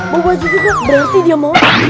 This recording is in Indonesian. mau baju baju kok berarti dia mau